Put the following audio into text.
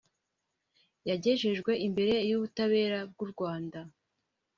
yagejejwe imbere y’ubutabera bw’u Rwanda